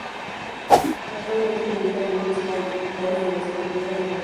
Actualmente milita en Newell's Old Boys de la Superliga Argentina.